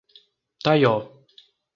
Taió